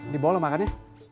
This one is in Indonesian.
di bawah lo makan ya